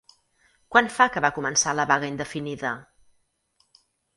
Quant fa que va començar la vaga indefinida?